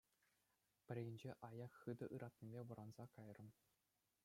Пӗррехинче аяк хытӑ ыратнипе вӑранса кайрӑм.